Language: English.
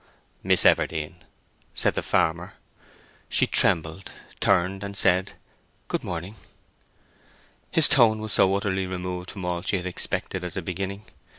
"Miss Everdene!" said the farmer. She trembled, turned, and said "Good morning." His tone was so utterly removed from all she had expected as a beginning.